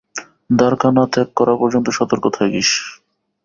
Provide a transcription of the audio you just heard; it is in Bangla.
দ্বারকা না ত্যাগ করা পর্যন্ত সতর্ক থাকিস।